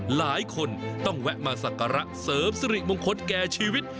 หลายคนต้องแวะมาสักการะเสริมสิริมงคลแก่ชีวิต